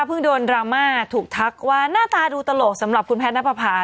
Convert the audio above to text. โดนดราม่าถูกทักว่าหน้าตาดูตลกสำหรับคุณแพทย์นับประพา